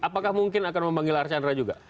apakah mungkin akan memanggil archandra juga